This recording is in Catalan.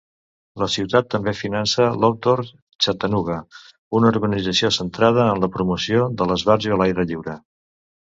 La ciutat també finança l'Outdoor Chattanooga, una organització centrada en la promoció de l'esbarjo a l'aire lliure.